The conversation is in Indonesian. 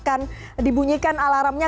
karena tergantung hal yang dibunyikan alaramnya